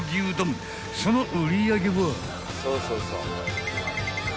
［その売り上げは］